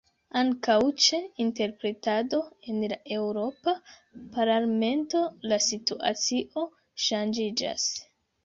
Ankaŭ ĉe interpretado en la Eŭropa Parlamento la situacio ŝanĝiĝas.